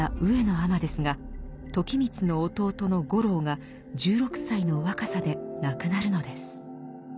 尼ですが時光の弟の五郎が１６歳の若さで亡くなるのです。